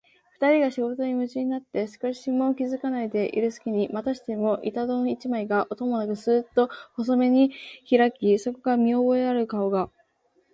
ふたりが仕事にむちゅうになって少しも気づかないでいるすきに、またしても板戸の一枚が、音もなくスーッと細めにひらき、そこから見おぼえのある顔が、